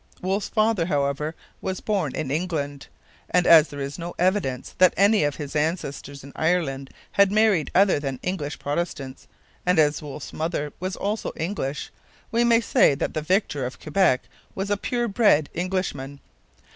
Wolfe's father, however, was born in England; and, as there is no evidence that any of his ancestors in Ireland had married other than English Protestants, and as Wolfe's mother was also English, we may say that the victor of Quebec was a pure bred Englishman.